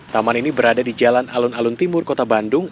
taman ini berada di jalan alun alun timur kota bandung